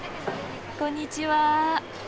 こんにちは。